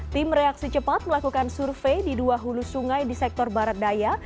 tim reaksi cepat melakukan survei di dua hulu sungai di sektor barat daya